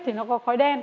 thì nó có khói đen